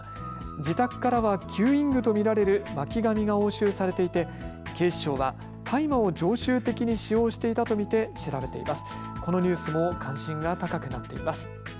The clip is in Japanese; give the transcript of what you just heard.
自宅からは吸引具と見られる巻紙が押収されていて、警視庁は大麻を常習的に使用していたと見て調べています。